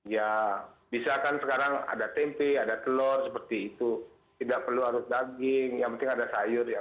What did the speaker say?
ya misalkan sekarang ada tempe ada telur seperti itu tidak perlu harus daging yang penting ada sayur seperti itu saja bu